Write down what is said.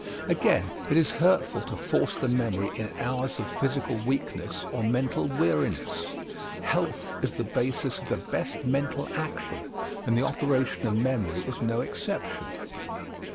Again, it is hurtful to force the memory in hours of physical weakness or mental weariness. Health is the basis of the best mental action and the operation of memory is no exception.